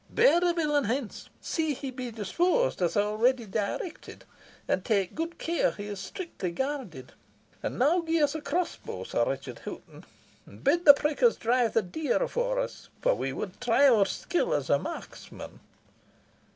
Bear the villain hence. See he be disposed of as already directed, and take good care he is strictly guarded. And now gie us a crossbow, Sir Richard Hoghton, and bid the prickers drive the deer afore us, for we wad try our skill as a marksman."